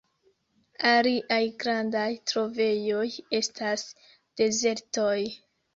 Aliaj grandaj trovejoj estas dezertoj.